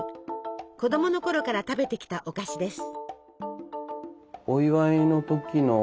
子どものころから食べてきたお菓子です。